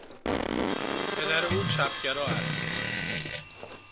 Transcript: پدر او چپگرا است.